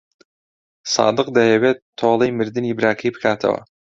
سادق دەیەوێت تۆڵەی مردنی براکەی بکاتەوە.